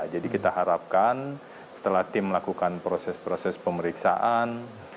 jadi kita harapkan setelah tim melakukan proses proses pemeriksaan